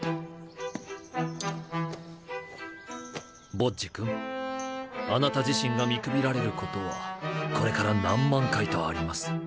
ボッジ君あなた自身が見くびられることはこれから何万回とあります。